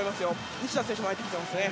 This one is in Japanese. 西田選手も入っていますね。